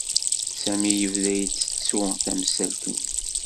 Sami yebda ittettu tamsalt-nni.